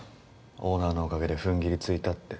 オーナーのおかげでふんぎりついたって。